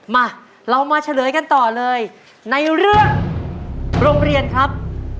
มาเรามาเฉลยกันต่อเลยในเรื่องโรงเรียนครับ